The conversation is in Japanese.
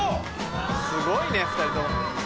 すごいね２人とも。